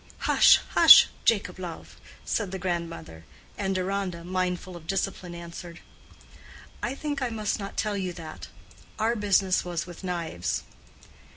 "Hush, hush, Jacob, love," said the grandmother. And Deronda, mindful of discipline, answered, "I think I must not tell you that. Our business was with the knives."